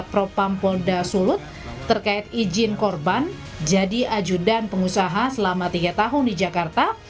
propam polda sulut terkait izin korban jadi ajudan pengusaha selama tiga tahun di jakarta